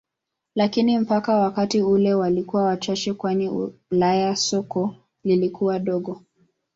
Lakini mpaka wakati ule walikuwa wachache kwani Ulaya soko lilikuwa dogo.